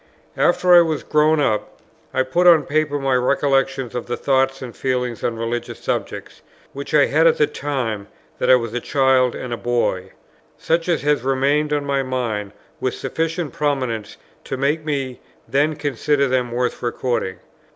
After I was grown up, I put on paper my recollections of the thoughts and feelings on religious subjects, which I had at the time that I was a child and a boy, such as had remained on my mind with sufficient prominence to make me then consider them worth recording.